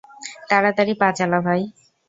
তাড়াতাড়ি পা চালা ভাই!